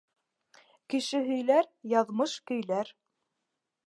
Кеше һөйләр, яҙмыш көйләр.